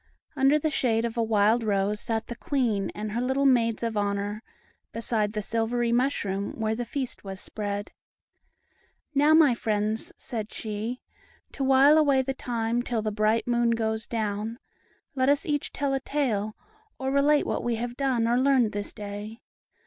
Under the shade of a wild rose sat the Queen and her little Maids of Honor, beside the silvery mushroom where the feast was spread. "Now, my friends," said she, "to while away the time till the bright moon goes down, let us each tell a tale, or relate what we have done or learned this day.